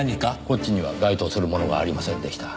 こっちには該当するものがありませんでした。